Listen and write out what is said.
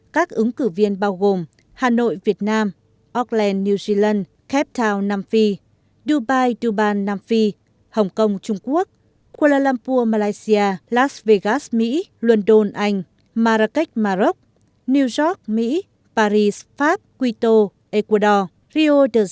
các ứng cử viên bao gồm hà nội việt nam auckland new zealand cape town nam phi dubai dubai nam phi hồng kông trung quốc kuala lumpur malaysia las vegas mỹ luân đôn anh marrakech maroc new york mỹ paris pháp quito ecuador rio đà lạt